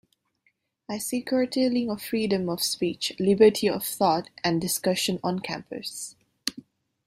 I see curtailing of freedom of speech, liberty of thought and discussion on campus.